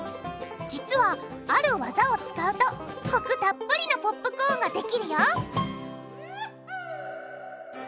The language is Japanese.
実はあるワザを使うとコクたっぷりのポップコーンができるよ！